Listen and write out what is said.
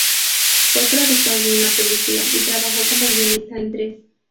Fue productor de una película y trabajó como guionista en tres.